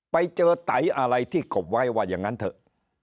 ไปเจอไตอะไรที่กบไว้ว่าอย่างนั้นเถอะ